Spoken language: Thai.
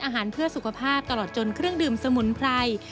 อาหารเพื่อสุขภาพตลอดจนเครื่องดื่มสมุนไพร